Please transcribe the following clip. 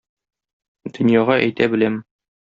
Дөньяга әйтә беләм.